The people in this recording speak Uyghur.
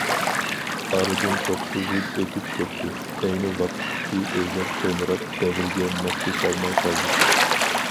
ئارىدىن توققۇز يىل ئۆتۈپ كەتتى، ئەينى ۋاقىتتىكى ئۆيلەر كونىراپ، دەۋرگە ماسلىشالماي قالدى.